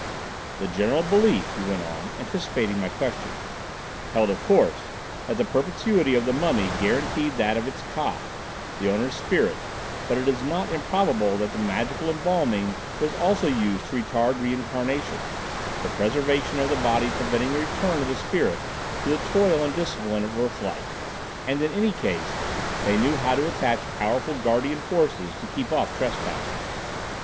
"The general belief," he went on, anticipating my questions, "held, of course, that the perpetuity of the mummy guaranteed that of its Ka,—the owner's spirit,—but it is not improbable that the magical embalming was also used to retard reincarnation, the preservation of the body preventing the return of the spirit to the toil and discipline of earth life; and, in any case, they knew how to attach powerful guardian forces to keep off trespassers.